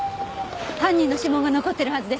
犯人の指紋が残ってるはずです。